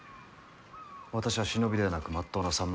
私は忍びではなくまっとうなさむら。